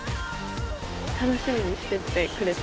楽しみにしててくれた？